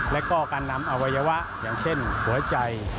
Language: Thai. แล้วก็การนำอวัยวะอย่างเช่นหัวใจ